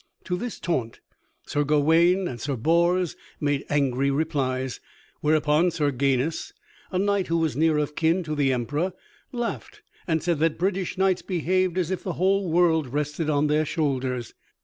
To this taunt Sir Gawaine and Sir Bors made angry replies, whereupon Sir Gainus, a knight who was near of kin to the Emperor, laughed, and said that British knights behaved as if the whole world rested on their shoulders.